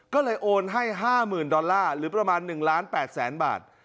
ก็เลยโอนให้๕๐๐๐ดอลลาร์หรือประมาณ๑ล้าน๘แสนบาท